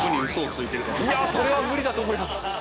いや、それは無理だと思います。